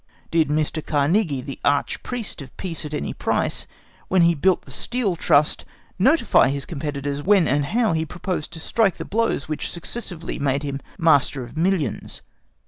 Did Mr. Carnegie, the arch priest of Peace at any price, when he built up the Steel Trust, notify his competitors when and how he proposed to strike the blows which successively made him master of millions?